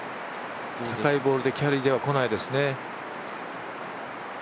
高いボールでキャリーには来ないですね。